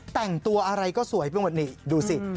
แต่งตัวอะไรก็จะสวยแบบนี้ดูสิ